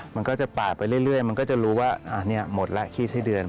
มันก็จะปาดไปเรื่อยมันก็จะรู้ว่าหมดแล้วขี้ไส้เดือน